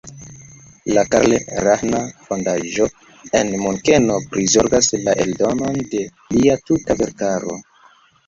La Karl-Rahner-Fondaĵo en Munkeno prizorgas la eldonon de lia tuta verkaro.